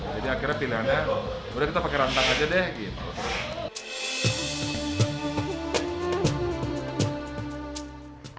jadi akhirnya pilihannya boleh kita pakai rantang aja deh